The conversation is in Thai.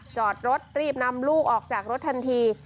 จอดรถรีบนำลูกออกจากรถทันที